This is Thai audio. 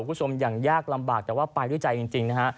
คุณผู้ชมอย่างยากลำบากแต่ว่าไปด้วยใจจริงนะฮะ